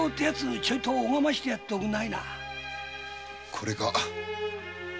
これか？